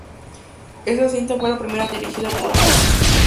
Esta cinta fue la primera dirigida por Gance.